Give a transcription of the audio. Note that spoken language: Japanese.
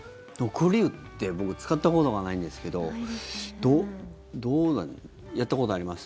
残り湯って僕、使ったことがないんですけどどうなんですかやったことあります？